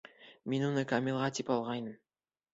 Мин уны Камилға тип алғайным.